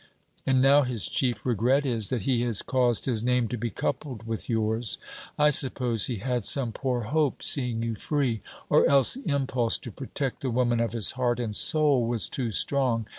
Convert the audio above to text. And now his chief regret is, that he has caused his name to be coupled with yours. I suppose he had some poor hope, seeing you free. Or else the impulse to protect the woman of his heart and soul was too strong.